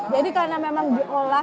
jadi karena memang diolah